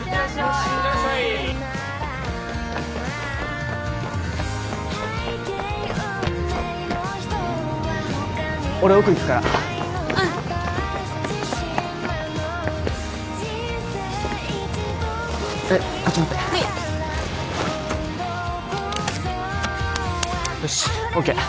行ってらっしゃい俺奥行くからうんはいこっち持ってはいよしＯＫ